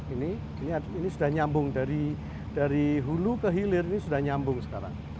ini sudah nyambung dari hulu ke hilir ini sudah nyambung sekarang